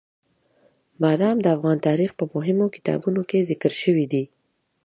بادام د افغان تاریخ په مهمو کتابونو کې ذکر شوي دي.